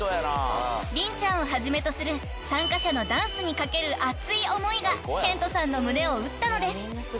［凛ちゃんをはじめとする参加者のダンスに懸ける熱い思いがケントさんの胸を打ったのです］